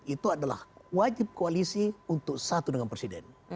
itu adalah wajib koalisi untuk satu dengan presiden